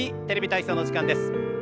「テレビ体操」の時間です。